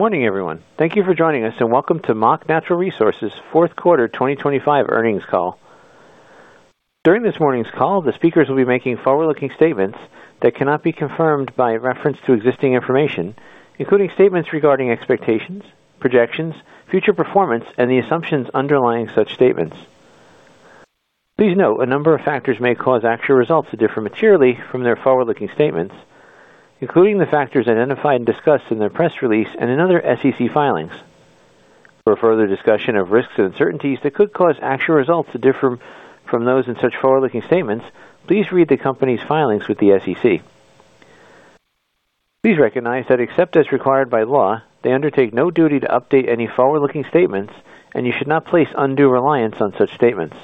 Good morning, everyone. Thank you for joining us, and welcome to Mach Natural Resources' Fourth Quarter 2025 Earnings Call. During this morning's call, the speakers will be making forward-looking statements that cannot be confirmed by reference to existing information, including statements regarding expectations, projections, future performance, and the assumptions underlying such statements. Please note, a number of factors may cause actual results to differ materially from their forward-looking statements, including the factors identified and discussed in their press release and in other SEC filings. For further discussion of risks and uncertainties that could cause actual results to differ from those in such forward-looking statements, please read the company's filings with the SEC. Please recognize that except as required by law, they undertake no duty to update any forward-looking statements and you should not place undue reliance on such statements.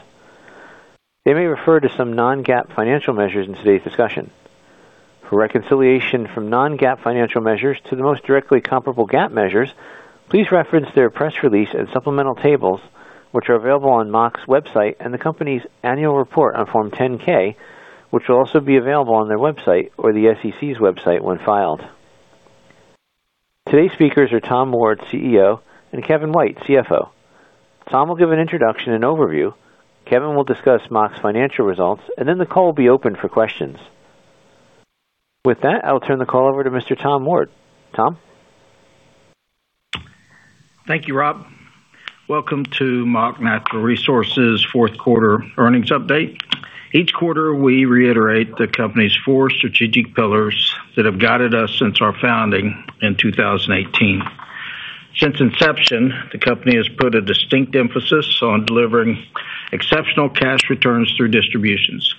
They may refer to some non-GAAP financial measures in today's discussion. For reconciliation from non-GAAP financial measures to the most directly comparable GAAP measures, please reference their press release and supplemental tables, which are available on Mach's website and the company's annual report on Form 10-K, which will also be available on their website or the SEC's website when filed. Today's speakers are Tom Ward, CEO, and Kevin White, CFO. Tom will give an introduction and overview. Kevin will discuss Mach's financial results, and then the call will be open for questions. With that, I'll turn the call over to Mr. Tom Ward. Tom? Thank you, Rob. Welcome to Mach Natural Resources' Fourth Quarter Earnings Update. Each quarter, we reiterate the company's four strategic pillars that have guided us since our founding in 2018. Since inception, the company has put a distinct emphasis on delivering exceptional cash returns through distributions.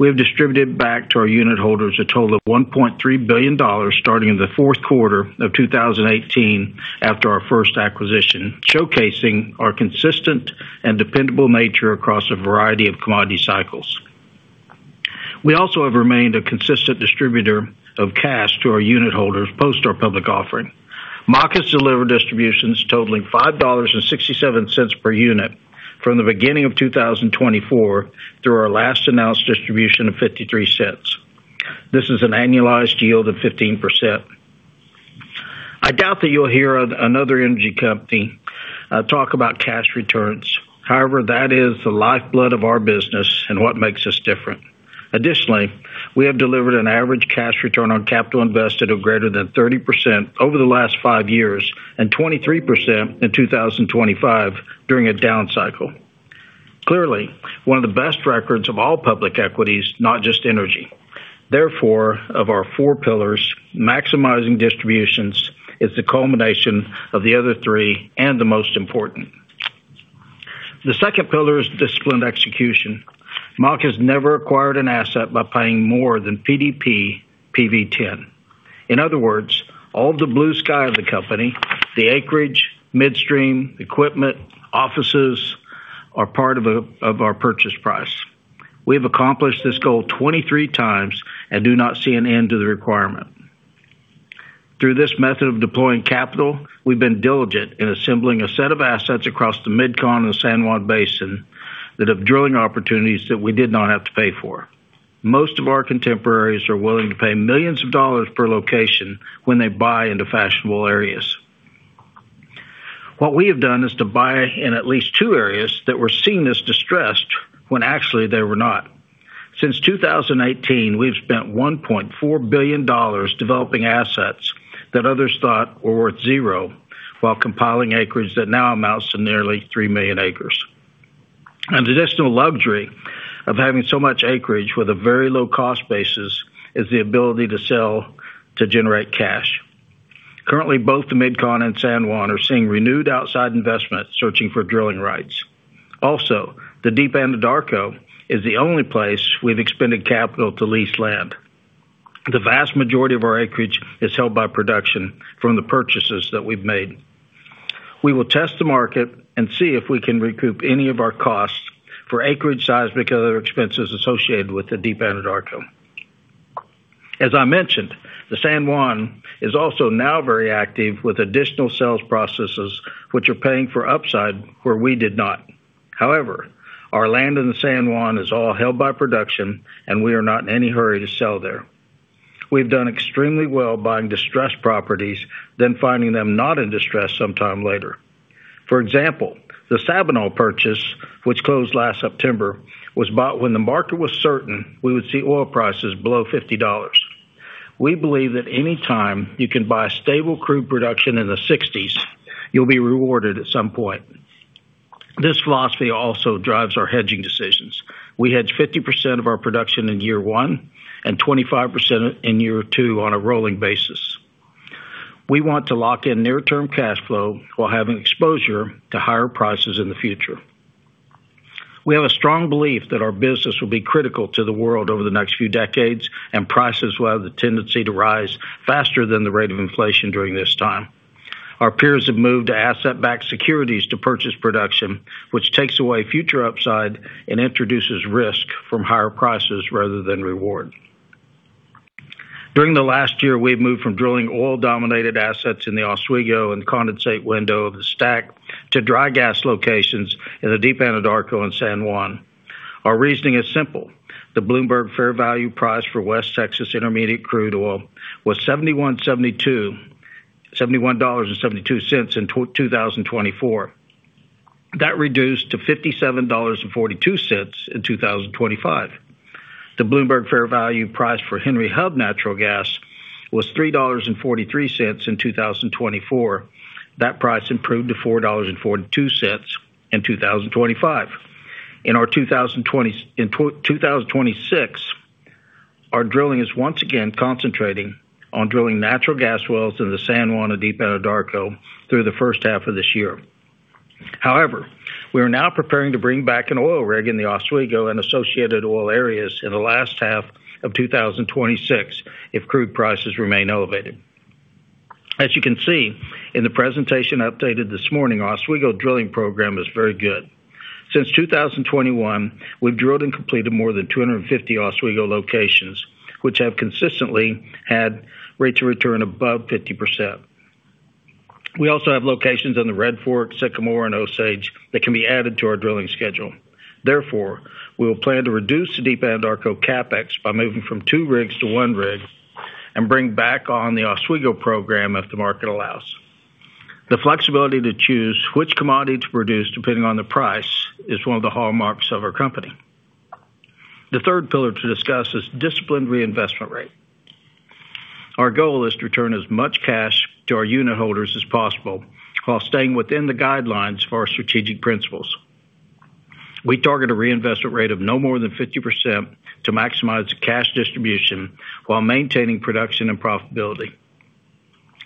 We have distributed back to our unitholders a total of $1.3 billion starting in the fourth quarter of 2018 after our first acquisition, showcasing our consistent and dependable nature across a variety of commodity cycles. We also have remained a consistent distributor of cash to our unitholders post our public offering. Mach has delivered distributions totaling $5.67 per unit from the beginning of 2024 through our last announced distribution of $0.53. This is an annualized yield of 15%. I doubt that you'll hear another energy company talk about cash returns. However, that is the lifeblood of our business and what makes us different. Additionally, we have delivered an average cash return on capital invested of greater than 30% over the last five years and 23% in 2025 during a down cycle. Clearly, one of the best records of all public equities, not just energy. Therefore, of our four pillars, maximizing distributions is the culmination of the other three and the most important. The second pillar is disciplined execution. Mach has never acquired an asset by paying more than PDP PV-10. In other words, all the blue sky of the company, the acreage, midstream, equipment, offices, are part of our purchase price. We have accomplished this goal 23 times and do not see an end to the requirement. Through this method of deploying capital, we've been diligent in assembling a set of assets across the Mid-Con and San Juan Basin that have drilling opportunities that we did not have to pay for. Most of our contemporaries are willing to pay millions of dollars per location when they buy into fashionable areas. What we have done is to buy in at least two areas that were seen as distressed when actually they were not. Since 2018, we've spent $1.4 billion developing assets that others thought were worth zero while compiling acreage that now amounts to nearly three million acres. An additional luxury of having so much acreage with a very low cost basis is the ability to sell to generate cash. Currently, both the Mid-Con and San Juan are seeing renewed outside investment searching for drilling rights. Also, the Deep Anadarko is the only place we've expended capital to lease land. The vast majority of our acreage is held by production from the purchases that we've made. We will test the market and see if we can recoup any of our costs for acreage seismic, other expenses associated with the Deep Anadarko. As I mentioned, the San Juan is also now very active with additional sales processes, which are paying for upside where we did not. However, our land in the San Juan is all held by production, and we are not in any hurry to sell there. We've done extremely well buying distressed properties, then finding them not in distress sometime later. For example, the Sabinal purchase, which closed last September, was bought when the market was certain we would see oil prices below $50. We believe that any time you can buy stable crude production in the $60s, you'll be rewarded at some point. This philosophy also drives our hedging decisions. We hedge 50% of our production in year one and 25% in year two on a rolling basis. We want to lock in near-term cash flow while having exposure to higher prices in the future. We have a strong belief that our business will be critical to the world over the next few decades, and prices will have the tendency to rise faster than the rate of inflation during this time. Our peers have moved to asset-backed securities to purchase production, which takes away future upside and introduces risk from higher prices rather than reward. During the last year, we've moved from drilling oil-dominated assets in the Oswego and condensate window of the STACK to dry gas locations in the Deep Anadarko and San Juan. Our reasoning is simple. The Bloomberg fair value price for West Texas Intermediate crude oil was $71.72 in 2024. That reduced to $57.42 in 2025. The Bloomberg fair value price for Henry Hub Natural Gas was $3.43 in 2024. That price improved to $4.42 in 2025. In our 2026, our drilling is once again concentrating on drilling natural gas wells in the San Juan and Deep Anadarko through the first half of this year. However, we are now preparing to bring back an oil rig in the Oswego and associated oil areas in the last half of 2026 if crude prices remain elevated. As you can see in the presentation updated this morning, Oswego drilling program is very good. Since 2021, we've drilled and completed more than 250 Oswego locations, which have consistently had rates of return above 50%. We also have locations on the Red Fork, Sycamore, and Osage that can be added to our drilling schedule. Therefore, we will plan to reduce the Deep Anadarko CapEx by moving from two rigs to one rig, and bring back on the Oswego program if the market allows. The flexibility to choose which commodity to produce depending on the price is one of the hallmarks of our company. The third pillar to discuss is disciplined reinvestment rate. Our goal is to return as much cash to our unit holders as possible while staying within the guidelines for our strategic principles. We target a reinvestment rate of no more than 50% to maximize cash distribution while maintaining production and profitability.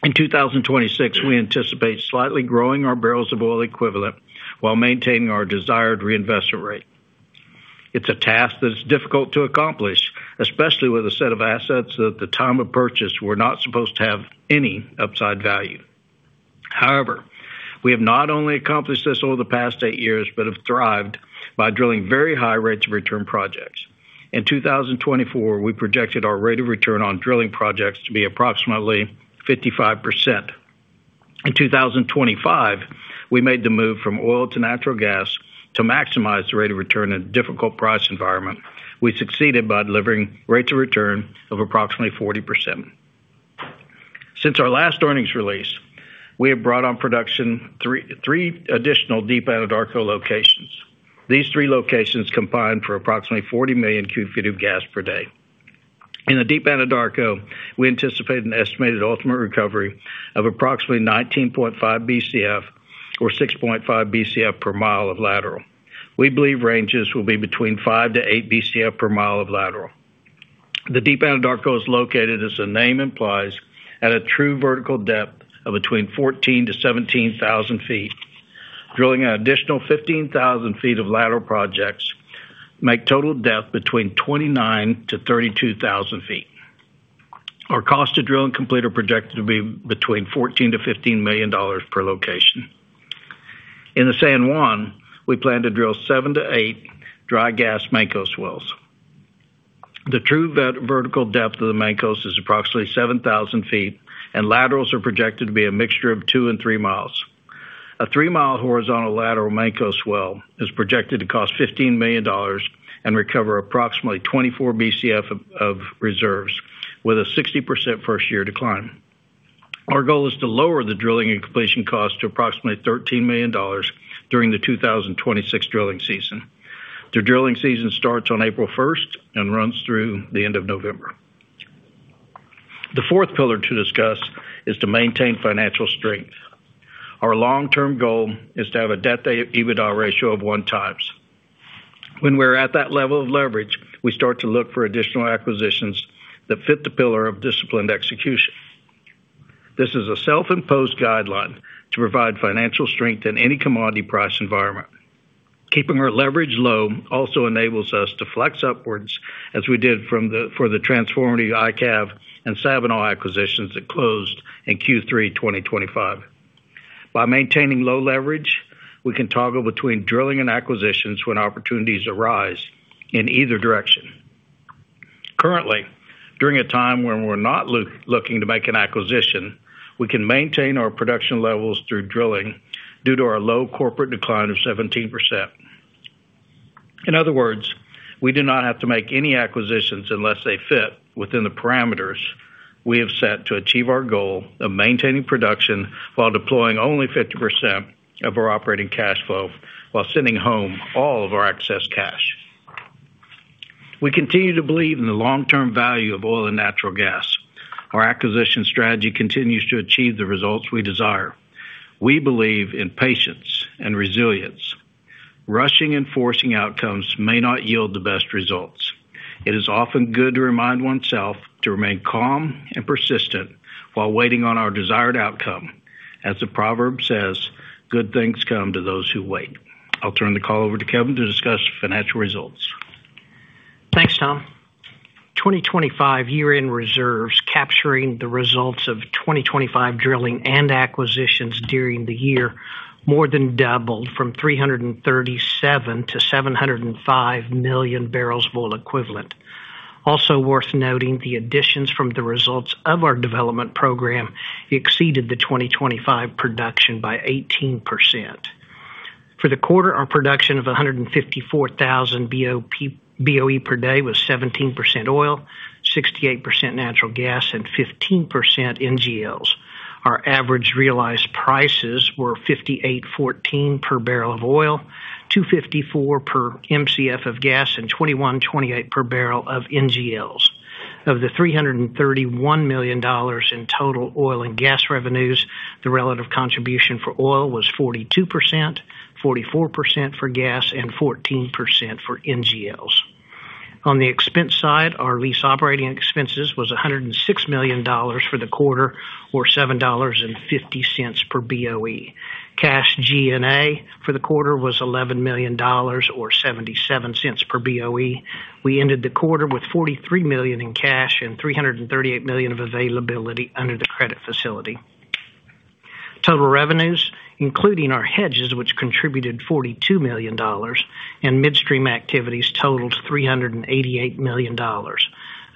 In 2026, we anticipate slightly growing our barrels of oil equivalent while maintaining our desired reinvestment rate. It's a task that is difficult to accomplish, especially with a set of assets that at the time of purchase were not supposed to have any upside value. However, we have not only accomplished this over the past eight years but have thrived by drilling very high rates of return projects. In 2024, we projected our rate of return on drilling projects to be approximately 55%. In 2025, we made the move from oil to natural gas to maximize the rate of return in a difficult price environment. We succeeded by delivering rates of return of approximately 40%. Since our last earnings release, we have brought on production, three additional Deep Anadarko locations. These three locations combined for approximately 40 million cu ft of gas per day. In the Deep Anadarko, we anticipate an estimated ultimate recovery of approximately 19.5 Bcf or 6.5 Bcf per mile of lateral. We believe ranges will be between 5–8 Bcf per mile of lateral. The Deep Anadarko is located, as the name implies, at a true vertical depth of between 14,000–17,000 feet. Drilling an additional 15,000 feet of lateral projects make total depth between 29,000-32,000 feet. Our cost to drill and complete is projected to be between $14 million-$15 million per location. In the San Juan, we plan to drill 7–8 dry gas Mancos wells. The true vertical depth of the Mancos is approximately 7,000 feet, and laterals are projected to be a mixture of two and three miles. A three-mile horizontal lateral Mancos well is projected to cost $15 million and recover approximately 24 Bcf of reserves with a 60% first-year decline. Our goal is to lower the drilling and completion cost to approximately $13 million during the 2026 drilling season. The drilling season starts on April 1st and runs through the end of November. The fourth pillar to discuss is to maintain financial strength. Our long-term goal is to have a debt-to-EBITDA ratio of 1x. When we're at that level of leverage, we start to look for additional acquisitions that fit the pillar of disciplined execution. This is a self-imposed guideline to provide financial strength in any commodity price environment. Keeping our leverage low also enables us to flex upwards as we did for the transformative IKAV and Sabinal acquisitions that closed in Q3 2025. By maintaining low leverage, we can toggle between drilling and acquisitions when opportunities arise in either direction. Currently, during a time when we're not looking to make an acquisition, we can maintain our production levels through drilling due to our low corporate decline of 17%. In other words, we do not have to make any acquisitions unless they fit within the parameters we have set to achieve our goal of maintaining production while deploying only 50% of our operating cash flow while sending home all of our excess cash. We continue to believe in the long-term value of oil and natural gas. Our acquisition strategy continues to achieve the results we desire. We believe in patience and resilience. Rushing and forcing outcomes may not yield the best results. It is often good to remind oneself to remain calm and persistent while waiting on our desired outcome. As the proverb says, "Good things come to those who wait." I'll turn the call over to Kevin to discuss financial results. Thanks, Tom. 2025 year-end reserves capturing the results of 2025 drilling and acquisitions during the year more than doubled from 337 MMBOE to 705 MMBOE. Also worth noting, the additions from the results of our development program exceeded the 2025 production by 18%. For the quarter, our production of 154,000 BOE per day was 17% oil, 68% natural gas, and 15% NGLs. Our average realized prices were $58.14 per barrel of oil, $2.54 per Mcf of gas, and $21.28 per barrel of NGLs. Of the $331 million in total oil and gas revenues, the relative contribution for oil was 42%, 44% for gas and 14% for NGLs. On the expense side, our lease operating expenses was $106 million for the quarter, or $7.50 per BOE. Cash G&A for the quarter was $11 million, or $0.77 per BOE. We ended the quarter with $43 million in cash and $338 million of availability under the credit facility. Total revenues, including our hedges, which contributed $42 million, and midstream activities totaled $388 million.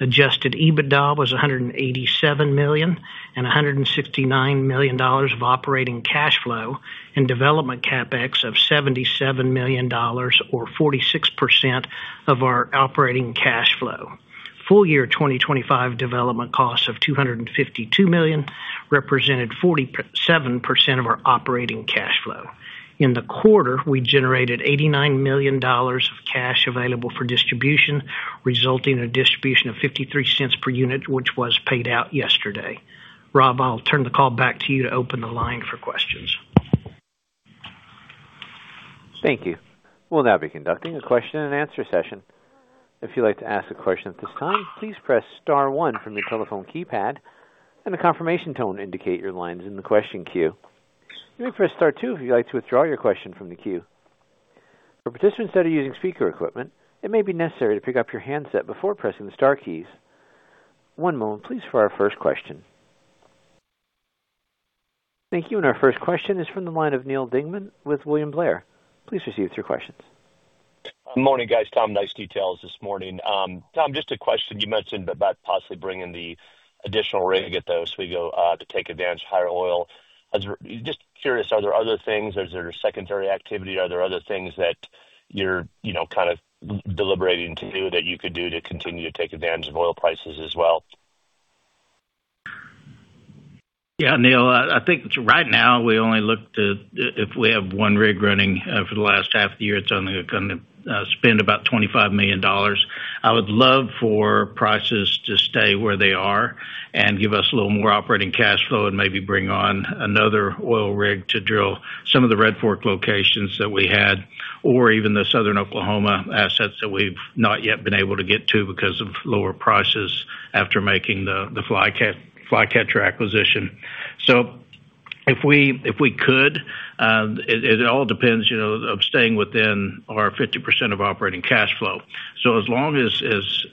Adjusted EBITDA was $187 million, and $169 million of operating cash flow, and development CapEx of $77 million or 46% of our operating cash flow. Full year 2025 development costs of $252 million represented 47% of our operating cash flow. In the quarter, we generated $89 million of cash available for distribution, resulting in a distribution of $0.53 per unit, which was paid out yesterday. Rob, I'll turn the call back to you to open the line for questions. Thank you. We'll now be conducting a question and answer session. If you'd like to ask a question at this time, please press star one from your telephone keypad, and a confirmation tone will indicate your line's in the question queue. You may press star two if you'd like to withdraw your question from the queue. For participants that are using speaker equipment, it may be necessary to pick up your handset before pressing the star keys. One moment please for our first question. Thank you. Our first question is from the line of Neal Dingmann with William Blair. Please proceed with your question. Morning, guys. Tom, nice details this morning. Tom, just a question. You mentioned about possibly bringing the additional rig to get those wells going to take advantage of higher oil. I was just curious, are there other things? Is there secondary activity? Are there other things that you're, you know, kind of, deliberating to do that you could do to continue to take advantage of oil prices as well? Yeah, Neal, I think, right now we only look to—if we have one rig running, for the last half of the year, it's only gonna spend about $25 million. I would love for prices to stay where they are and give us a little more operating cash flow and maybe bring on another oil rig to drill some of the Red Fork locations that we had, or even the Southern Oklahoma assets that we've not yet been able to get to because of lower prices after making the Flycatcher acquisition. If we could, it all depends, you know, on staying within our 50% of operating cash flow. As long as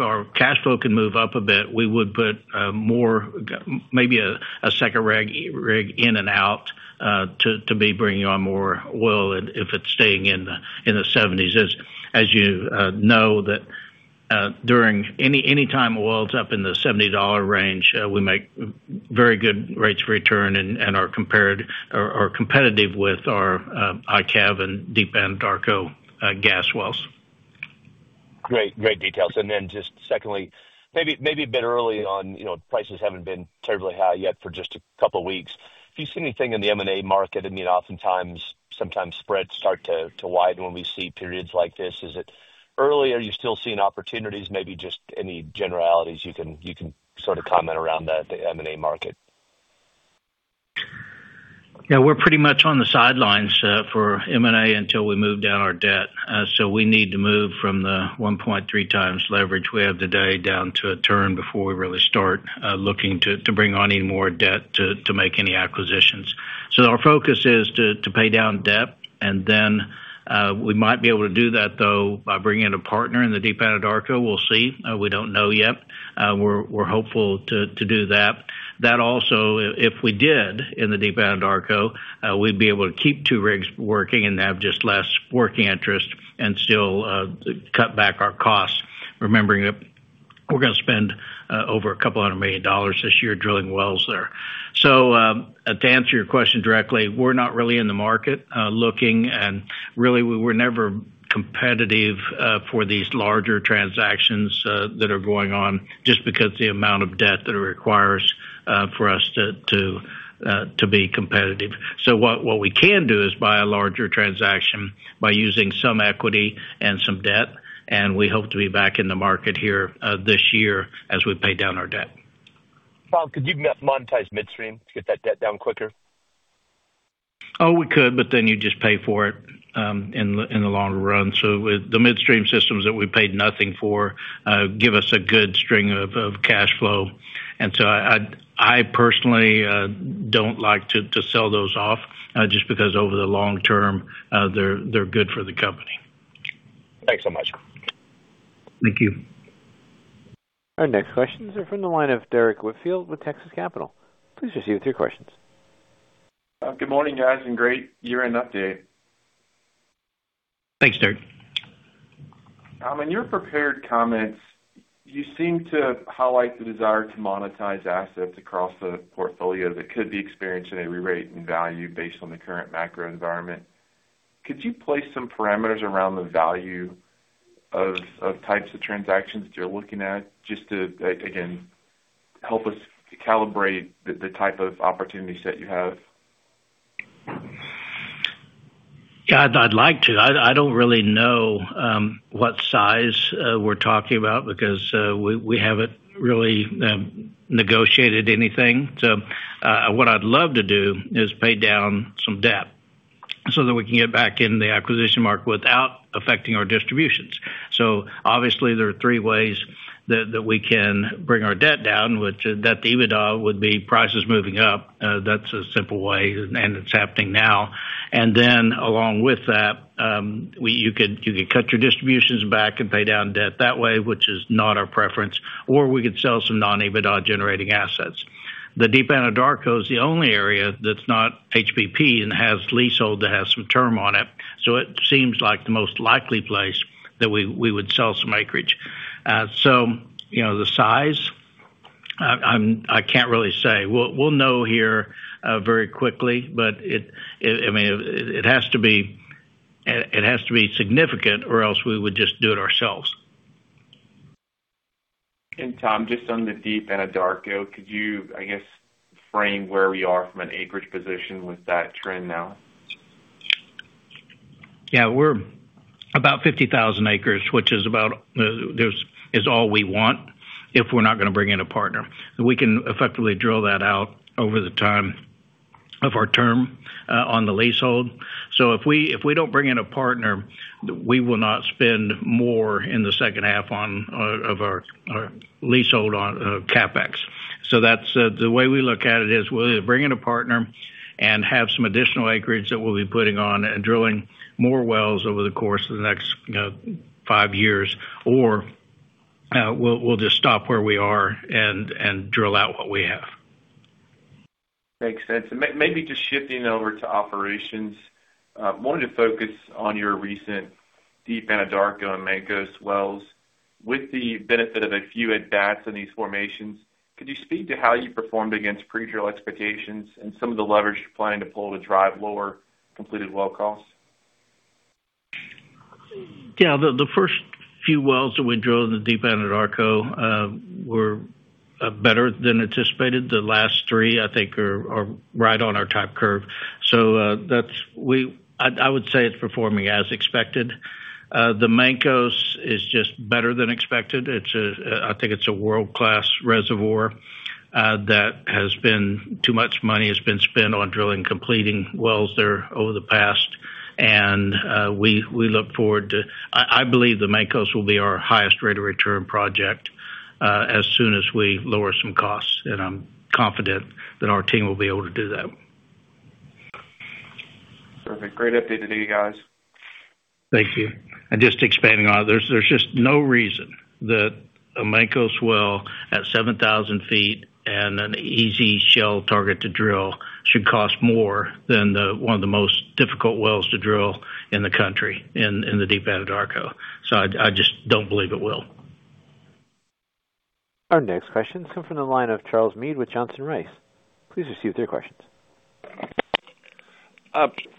our cash flow can move up a bit, we would put more, maybe a second rig in and out to be bringing on more oil if it's staying in the $70s. As you know, that during any time oil's up in the $70 range, we make very good rates of return and are competitive with our IKAV and Deep Anadarko gas wells. Great. Great details. Just secondly, maybe a bit early on, you know, prices haven't been terribly high yet for just a couple weeks. Do you see anything in the M&A market? I mean, oftentimes, sometimes, spreads start to to widen when we see periods like this. Is it early? Are you still seeing opportunities? Maybe just any generalities you can sort of comment around the M&A market. Yeah, we're pretty much on the sidelines for M&A until we move down our debt. We need to move from the 1.3x leverage we have today down to a turn before we really start looking to bring on any more debt to make any acquisitions. Our focus is to pay down debt, and then we might be able to do that, though, by bringing in a partner in the Deep Anadarko. We'll see. We don't know yet. We're hopeful to do that. That also, if we did in the Deep Anadarko, we'd be able to keep two rigs working and have just less working interest and still cut back our costs, remembering that we're gonna spend over a couple hundred million dollars this year drilling wells there. To answer your question directly, we're not really in the market looking, and really, we were never competitive for these larger transactions that are going on just because the amount of debt that it requires for us to be competitive. What we can do is buy a larger transaction by using some equity and some debt, and we hope to be back in the market here this year as we pay down our debt. Tom, could you monetize midstream to get that debt down quicker? Oh, we could, but then you just pay for it in the longer run. The midstream systems that we paid nothing for give us a good string of cash flow. I personally don't like to sell those off just because over the long term they're good for the company. Thanks so much. Thank you. Our next questions are from the line of Derrick Whitfield with Texas Capital. Please proceed with your questions. Good morning, guys, and great year-end update. Thanks, Derrick. In your prepared comments, you seem to highlight the desire to monetize assets across a portfolio that could be experiencing a rerate in value based on the current macro environment. Could you place some parameters around the value of types of transactions that you're looking at just to, again, help us calibrate the type of opportunities that you have? Yeah, I'd like to. I don't really know what size we're talking about because we haven't really negotiated anything. What I'd love to do is pay down some debt so that we can get back in the acquisition market without affecting our distributions. Obviously, there are three ways that we can bring our debt down. Debt-to-EBITDA would be prices moving up, that's a simple way, and it's happening now. Then along with that, you could cut your distributions back and pay down debt that way, which is not our preference. We could sell some non-EBITDA generating assets. The Deep Anadarko is the only area that's not HBP and has leasehold that has some term on it, so it seems like the most likely place that we would sell some acreage. You know, the size, I can't really say. We'll know here very quickly, but I mean, it has to be significant or else we would just do it ourselves. Tom, just on the Deep Anadarko, could you, I guess, frame where we are from an acreage position with that trend now? Yeah. We're about 50,000 acres, which is all we want if we're not gonna bring in a partner. We can effectively drill that out over the time of our term on the leasehold. If we don't bring in a partner, we will not spend more in the second half on of our leasehold on CapEx. That's, the way we look at it is we'll either bring in a partner and have some additional acreage that we'll be putting on, and drilling more wells over the course of the next, you know, five years, or, we'll just stop where we are and drill out what we have. Makes sense. Maybe just shifting over to operations, wanted to focus on your recent Deep Anadarko and Mancos wells. With the benefit of a few advances in these formations, could you speak to how you performed against pre-drill expectations and some of the leverage you're planning to pull to drive lower completed well costs? Yeah. The first few wells that we drilled in the Deep Anadarko were better than anticipated. The last three, I think, are right on our type curve. I would say it's performing as expected. The Mancos is just better than expected. It's a world-class reservoir. Too much money has been spent on drilling and completing wells there over the past, and I believe the Mancos will be our highest rate of return project as soon as we lower some costs, and I'm confident that our team will be able to do that. Perfect. Great update today, guys. Thank you. Just expanding on it. There's just no reason that a Mancos well at 7,000 ft and an easy shell target to drill should cost more than the one of the most difficult wells to drill in the country, in the Deep Anadarko. I just don't believe it will. Our next question comes from the line of Charles Meade with Johnson Rice. Please proceed with your questions.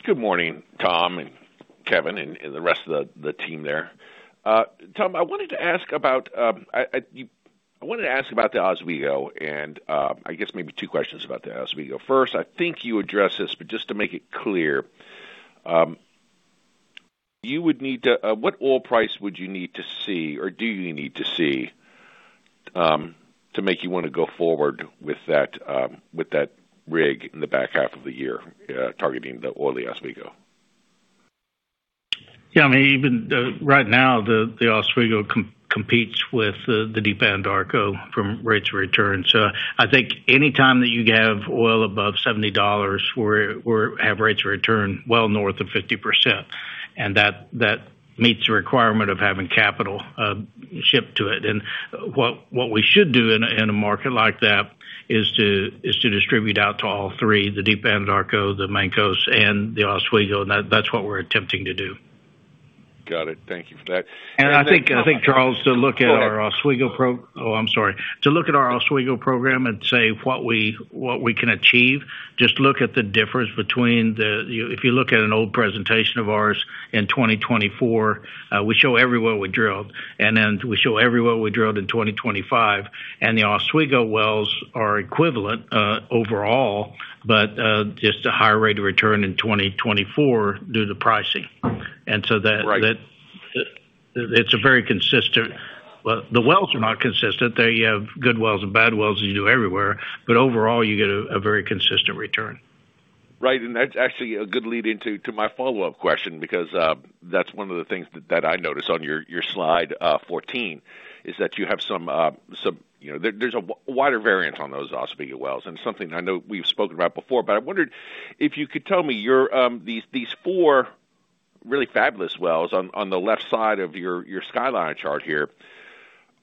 Good morning, Tom and Kevin and the rest of the team there. Tom, I wanted to ask about the Oswego and I guess, maybe two questions about the Oswego. First, I think, you addressed this, but just to make it clear, what oil price would you need to see or do you need to see to make you wanna go forward with that rig in the back half of the year, targeting the oil Oswego? Yeah. I mean, even right now, the Oswego competes with the Deep Anadarko from rates of return. I think, any time that you have oil above $70, we have rates of return well north of 50%, and that meets the requirement of having capital shipped to it. What we should do in a market like that is to distribute out to all three, the Deep Anadarko, the Mancos, and the Oswego, and that's what we're attempting to do. Got it. Thank you for that. I think, Charles, to look at our Oswego pro. Go ahead. To look at our Oswego program and say what we can achieve, just look at the difference. If you look at an old presentation of ours in 2024, we show every well we drilled, and then we show every well we drilled in 2025, and the Oswego wells are equivalent overall, but just a higher rate of return in 2024 due to pricing. That Right. The wells are not consistent. They have good wells and bad wells as you do everywhere. Overall, you get a very consistent return. Right. That's actually a good lead into my follow-up question because that's one of the things that I noticed on your slide 14, is that you have some, you know. There's a wider variance on those Oswego wells. Something I know we've spoken about before, but I wondered if you could tell me your—these four really fabulous wells on the left side of your skyline chart here.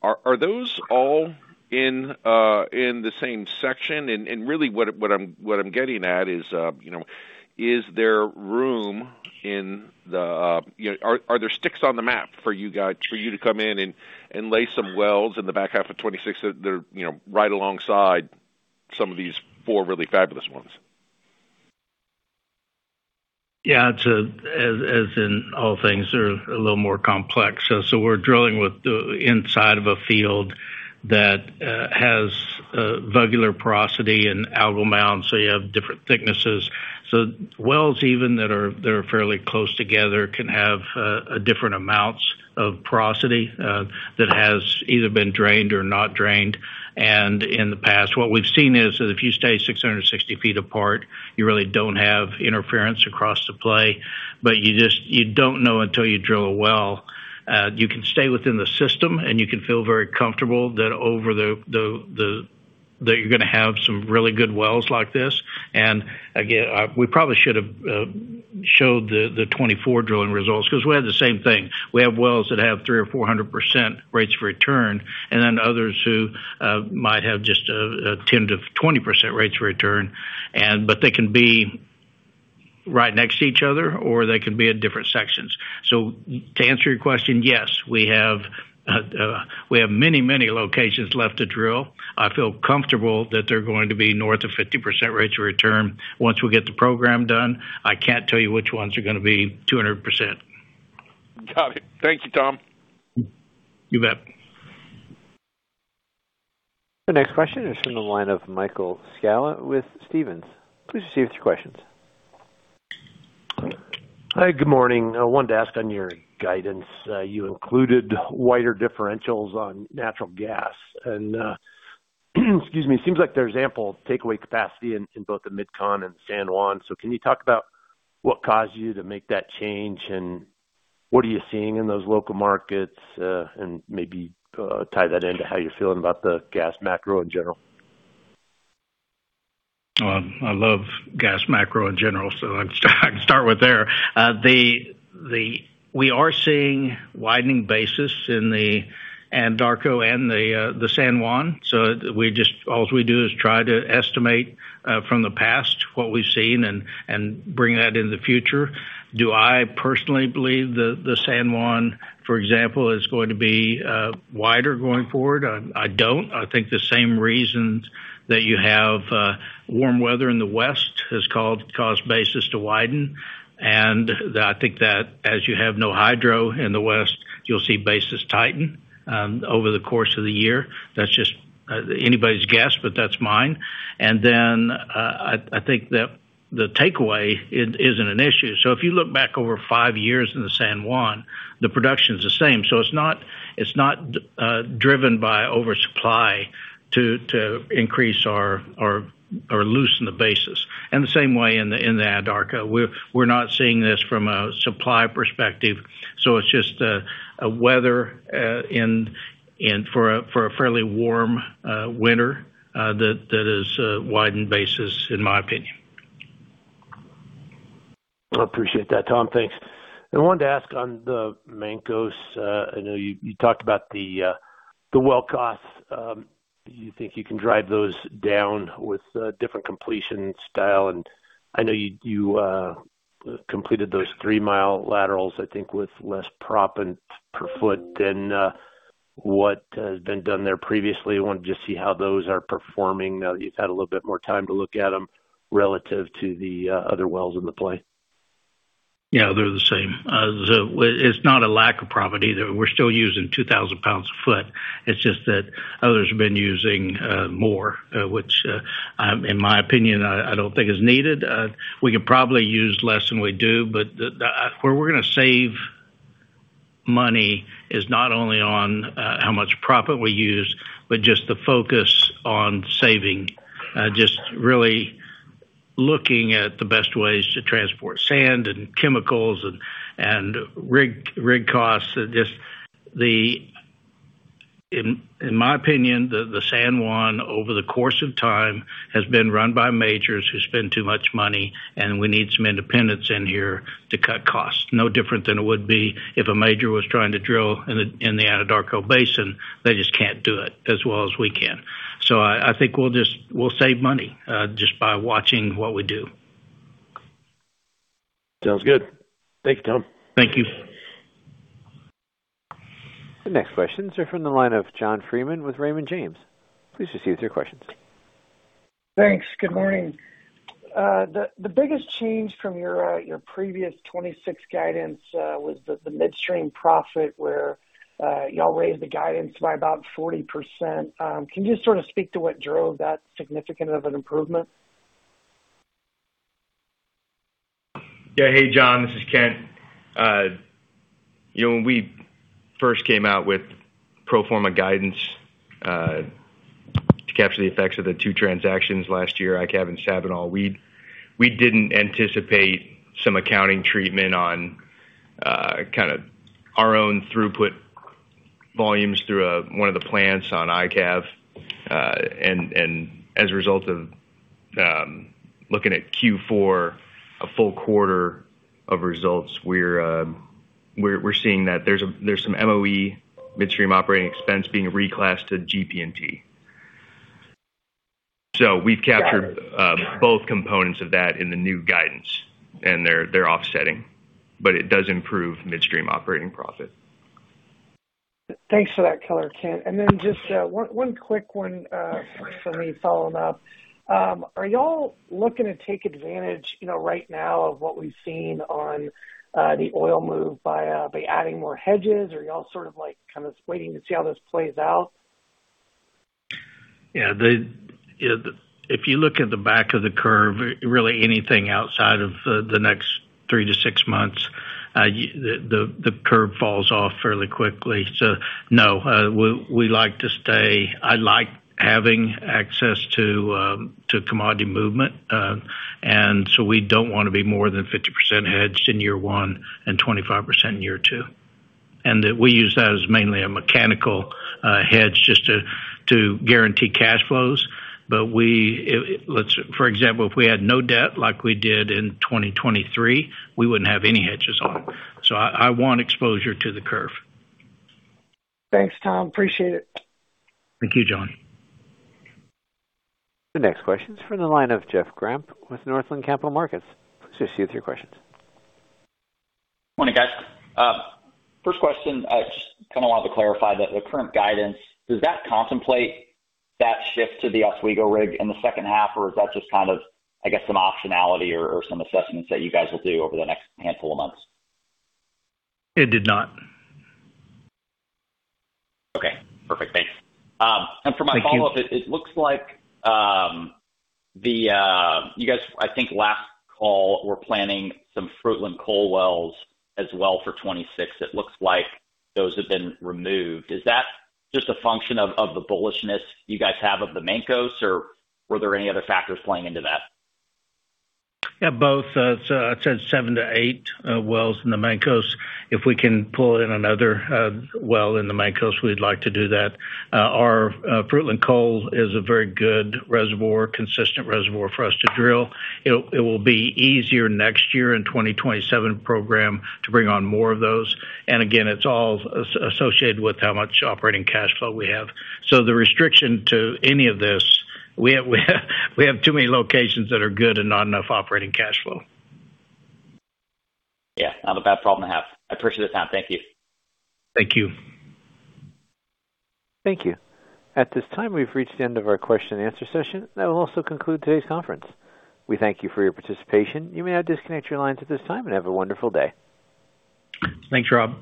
Are those all in the same section? Really what I'm getting at is, you know, is there room in the. You know, are there sticks on the map for you to come in and lay some wells in the back half of 2026 that they're, you know, right alongside some of these four really fabulous ones? Yeah. It's as in all things are a little more complex. We're drilling within the inside of a field that has regular porosity and algal mounds, so you have different thicknesses. Wells, even they're fairly close together can have a different amounts of porosity that has either been drained or not drained. In the past, what we've seen is that if you stay 660 feet apart, you really don't have interference across the play. You don't know until you drill a well. You can stay within the system, and you can feel very comfortable that over that you're gonna have some really good wells like this. We probably should have showed the 24 drilling results 'cause we had the same thing. We have wells that have 300% or 400% rates of return, and then others who might have just a 10%-20% rates of return. They can be right next to each other or they can be at different sections. To answer your question, yes, we have many locations left to drill. I feel comfortable that they're going to be north of 50% rates of return once we get the program done. I can't tell you which ones are gonna be 200%. Got it. Thank you, Tom. You bet. The next question is from the line of Michael Scialla with Stephens. Please proceed with your questions. Hi. Good morning. I wanted to ask on your guidance, you included wider differentials on natural gas. Excuse me, it seems like there's ample takeaway capacity in both the Mid-Con and San Juan. Can you talk about what caused you to make that change, and what are you seeing in those local markets, and maybe tie that into how you're feeling about the gas macro in general? I love gas macro in general, so I can start with there. We are seeing widening basis in the Anadarko and the San Juan. All we do is try to estimate from the past what we've seen and bring that into the future. Do I personally believe the San Juan, for example, is going to be wider going forward? I don't. I think, the same reasons that you have warm weather in the West has caused basis to widen. I think, that, as you have no hydro in the West, you'll see basis tighten over the course of the year. That's just anybody's guess, but that's mine. I think, that the takeaway isn't an issue. If you look back over five years in the San Juan, the production's the same. It's not driven by oversupply to increase or loosen the basis. The same way in the Anadarko. We're not seeing this from a supply perspective, so it's just a weather for a fairly warm winter that is widened basis in my opinion. I appreciate that, Tom. Thanks. I wanted to ask on the Mancos. I know, you talked about the well costs. Do you think, you can drive those down with a different completion style? I know, you completed those three-mile laterals, I think, with less proppant per foot than what has been done there previously. Wanted to just see how those are performing now that you've had a little bit more time to look at them relative to the other wells in the play. Yeah, they're the same. It's not a lack of proppant either. We're still using 2,000 lbs a foot. It's just that, others have been using more, which, in my opinion, I don't think, is needed. We could probably use less than we do, but, we're gonna save money, is not only on how much proppant we use, but just the focus on saving, just really looking at the best ways to transport sand and chemicals and rig costs. Just, in my opinion, the San Juan, over the course of time has been run by majors who spend too much money, and we need some independents in here to cut costs. No different than it would be if a major was trying to drill in the Anadarko Basin. They just can't do it as well as we can. I think, we'll save money just by watching what we do. Sounds good. Thank you, Tom. Thank you. The next questions are from the line of John Freeman with Raymond James. Please proceed with your questions. Thanks. Good morning. The biggest change from your previous 2026 guidance was the midstream profit where y'all raised the guidance by about 40%. Can you just sort of speak to what drove that significant of an improvement? Hey, John, this is Kent. You know, when we first came out with pro forma guidance to capture the effects of the two transactions last year, IKAV and Sabinal, we didn't anticipate some accounting treatment on kinda, our own throughput volumes through one of the plants on IKAV. As a result of looking at Q4, a full quarter of results, we're seeing that there's some LOE midstream operating expense being reclassed to GP&T. We've captured both components of that in the new guidance, and they're offsetting, but it does improve midstream operating profit. Thanks for that color, Kent. Just one quick one from me following up. Are y'all looking to take advantage, you know, right now, of what we've seen on the oil move by adding more hedges, or are you all sort of, like, kind of, waiting to see how this plays out? Yeah. If you look at the back of the curve, really, anything outside of the next three to six months, the curve falls off fairly quickly. No, we like to stay. I like having access to commodity movement. We don't wanna be more than 50% hedged in year one and 25% in year two. That, we use that as mainly a mechanical hedge just to guarantee cash flows. For example, if we had no debt like we did in 2023, we wouldn't have any hedges on. I want exposure to the curve. Thanks, Tom. Appreciate it. Thank you, Johnny. The next question is from the line of Jeff Grampp with Northland Capital Markets. Just you with your questions. Morning, guys. First question, I, just kinda, wanted to clarify that the current guidance, does that contemplate that shift to the Oswego rig in the second half? Or, is that, just kind of, I guess, some optionality or some assessments that you guys will do over the next handful of months? It did not. Okay, perfect. Thanks. for my follow-up. Thank you. It looks like, you guys, I think, last call were planning some Fruitland coal wells as well for 2026. It looks like, those have been removed. Is that just a function of the bullishness you guys have of the Mancos, or were there any other factors playing into that? Yeah, both. So I'd say seven to eight wells in the Mancos. If we can pull in another well in the Mancos, we'd like to do that. Our Fruitland coal is a very good reservoir, consistent reservoir for us to drill. It'll, it will be easier next year in 2027 program to bring on more of those. Again, it's all associated with how much operating cash flow we have. The restriction to any of this, we have too many locations that are good and not enough operating cash flow. Yeah, not a bad problem to have. I appreciate the time. Thank you. Thank you. Thank you. At this time, we've reached the end of our question and answer session. That will also conclude today's conference. We thank you for your participation. You may now disconnect your lines at this time, and have a wonderful day. Thanks, Rob.